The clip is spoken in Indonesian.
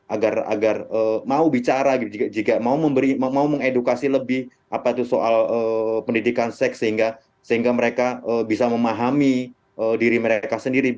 agar mau bicara jika mau mengedukasi lebih apa itu soal pendidikan seks sehingga mereka bisa memahami diri mereka sendiri